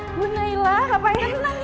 ibu naila apa yang terjadi